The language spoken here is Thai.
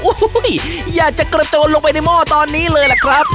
โอ้โหอยากจะกระโจนลงไปในหม้อตอนนี้เลยล่ะครับ